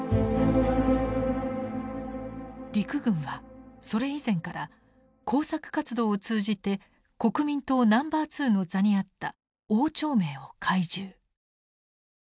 陸軍はそれ以前から工作活動を通じて国民党ナンバー２の座にあった汪兆銘を懐柔。